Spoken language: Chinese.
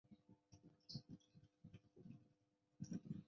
埃松人口变化图示